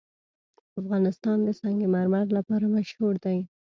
افغانستان د سنگ مرمر لپاره مشهور دی.